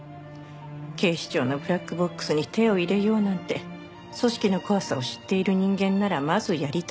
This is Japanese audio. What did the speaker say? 警視庁のブラックボックスに手を入れようなんて組織の怖さを知っている人間ならまずやりたがらない。